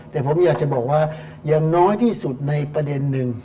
แต่ผมอยากจะบอกว่าอย่างน้อยที่สุดในประเด็นหนึ่ง